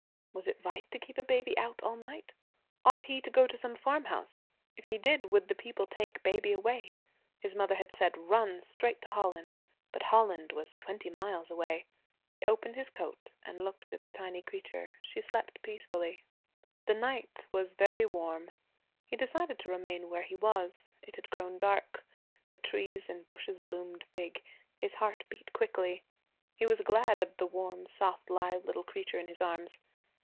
Was it right to keep a baby out all night? Ought he to go to some farmhouse? If he did, would the people take baby away? His mother had said, 'Run straight to Holland.' But Holland was twenty miles away. He opened his coat and looked at the tiny creature. She slept peacefully. The night was very warm. He decided to remain where he was. It had grown dark. The trees and bushes loomed big. His heart beat quickly. He was glad of the warm, soft, live little creature in his arms.